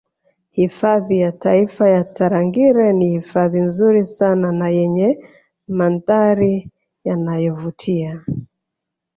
Hifadhi ya taifa ya Tarangire ni hifadhi nzuri sana na yenye mandhari yanayovutia